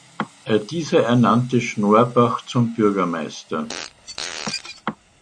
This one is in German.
Dieser ernannte Schnorbach zum Bürgermeister.